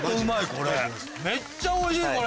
めっちゃおいしいこれ。